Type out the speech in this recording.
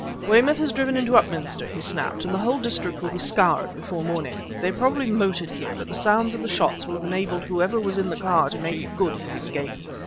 "Weymouth has driven into Upminster," he snapped; "and the whole district will be scoured before morning. They probably motored here, but the sounds of the shots will have enabled whoever was with the car to make good his escape.